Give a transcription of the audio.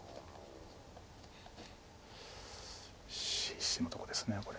必死のとこですこれ。